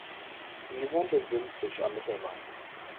Sie wohnt in Sinzig am Mittelrhein.